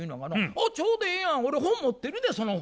「あっちょうどええやん俺本持ってるでその本」と。